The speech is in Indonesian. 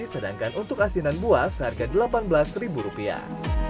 sedangkan untuk asinan buah seharga delapan belas ribu rupiah